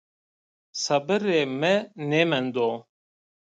Sebirê mi nêmendo